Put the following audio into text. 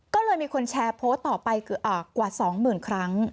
ก็เลยมีคนแชร์โพสต์ต่อไปกว่า๒๐๐๐ครั้ง